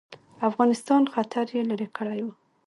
افغانستان خطر یې لیري کړی وو.